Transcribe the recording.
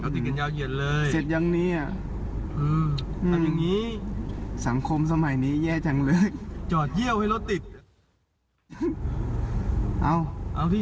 ชอบเลยชีวิต